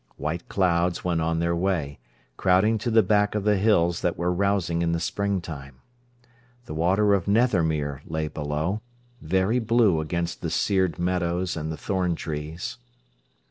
White clouds went on their way, crowding to the back of the hills that were rousing in the springtime. The water of Nethermere lay below, very blue against the seared meadows and the thorn trees.